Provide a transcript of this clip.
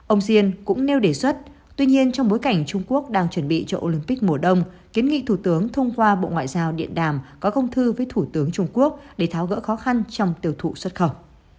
ông dien cũng nêu đề xuất tuy nhiên trong bối cảnh trung quốc đang chuẩn bị cho olympic mùa đông kiến nghị thủ tướng thông qua bộ ngoại giao điện đàm có công thư với thủ tướng trung quốc để tháo gỡ khó khăn trong tiêu thụ xuất khẩu